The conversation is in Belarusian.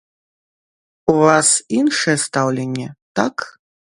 У вас іншае стаўленне, так?